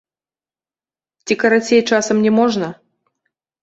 Ці карацей, часам, не можна?